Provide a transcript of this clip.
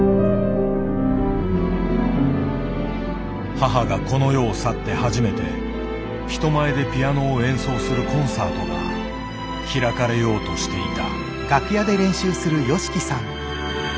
母がこの世を去って初めて人前でピアノを演奏するコンサートが開かれようとしていた。